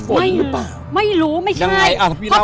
ไม่รู้ไม่ใช่ก่อนพี่อยู่มาเป็น๑๐ปีแล้วหนูไม่รู้ไม่ใช่ค่ะยังไงอล่ะพี่เล่าดิ